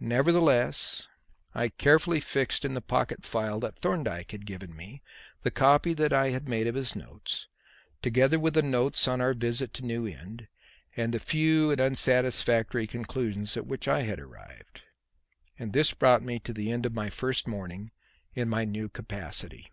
Nevertheless, I carefully fixed in the pocket file that Thorndyke had given me the copy that I had made of his notes, together with the notes on our visit to New Inn, and the few and unsatisfactory conclusions at which I had arrived; and this brought me to the end of my first morning in my new capacity.